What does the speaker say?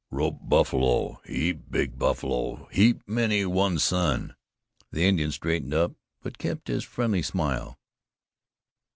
"Rope buffalo heap big buffalo heap many one sun." The Indian straightened up, but kept his friendly smile.